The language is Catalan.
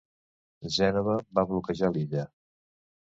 Gènova va bloquejar l'illa.